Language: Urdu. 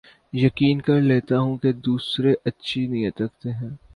یقین کر لیتا ہوں کے دوسرے اچھی نیت رکھتے ہیں